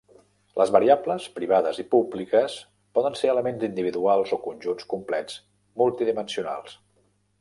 Les variables, privades i públiques, poden ser elements individuals o conjunts complets multidimensionals.